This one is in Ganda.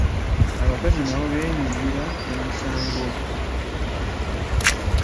Abakazi nabo beenyigira emisango.